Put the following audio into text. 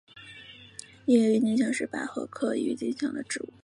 异叶郁金香是百合科郁金香属的植物。